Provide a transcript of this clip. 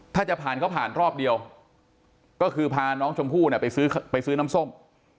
ถ้าจะผ่านก็ผ่านรอบเดียวก็คือพาน้องชมพู่ไปซื้อไปซื้อน้ำส้ม